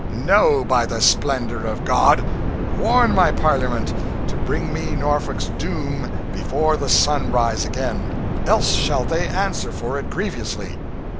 No, by the splendour of God! Warn my Parliament to bring me Norfolk's doom before the sun rise again, else shall they answer for it grievously!"